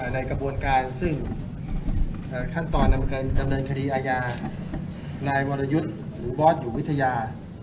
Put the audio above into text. ในกระบวนการซึ่งขั้นตอนดำเนินคดีอาญานายวรยุทธ์หรือบอสอยู่วิทยา